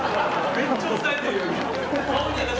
めっちゃおさえてるよ。